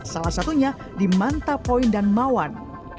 salah satunya di manta point dan mawan